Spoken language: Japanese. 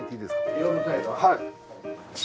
はい。